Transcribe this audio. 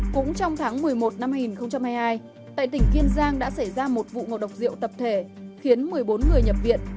cũng trong tháng một mươi một năm hai nghìn hai mươi hai tại tỉnh kiên giang đã xảy ra một vụ ngộ độc rượu tập thể khiến một mươi bốn người nhập viện